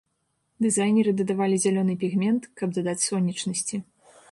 Дызайнеры дадавалі зялёны пігмент, каб дадаць сонечнасці.